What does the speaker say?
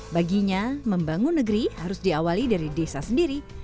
baginya membangun negeri harus diawali dari desa sendiri